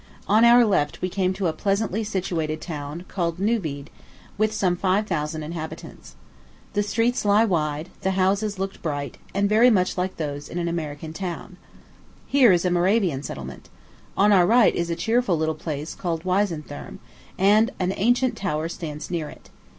On our left, we came to a pleasantly situated town, called Neuwied, with some five thousand inhabitants. The streets lie wide; the houses looked bright, and very much like those in an American town. Here is a Moravian settlement. On our right is a cheerful little place, called Weisenthurm, and an ancient tower stands near it.